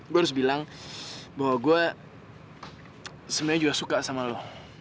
gue harus bilang bahwa gue sebenarnya juga suka sama lo